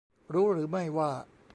รู้หรือไม่ว่า